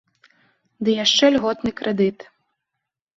Ды яшчэ льготны крэдыт.